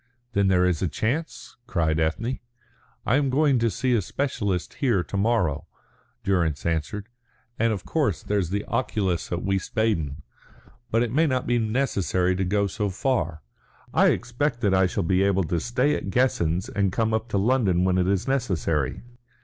"Then there is a chance?" cried Ethne. "I am going to see a specialist here to morrow," Durrance answered. "And, of course, there's the oculist at Wiesbaden. But it may not be necessary to go so far. I expect that I shall be able to stay at Guessens and come up to London when it is necessary.